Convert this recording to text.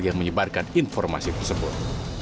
yang menyebarkan informasi tersebut